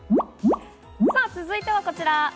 続いてはこちら。